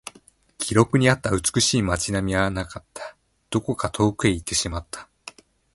記録にあった美しい街並みはなかった。どこか遠くに行ってしまった。